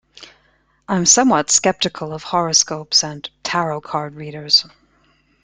I'm somewhat sceptical of horoscopes and tarot card readers.